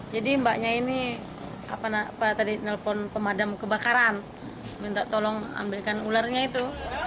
jadi mbaknya ini apa tadi nelfon pemadam kebakaran minta tolong ambilkan ularnya itu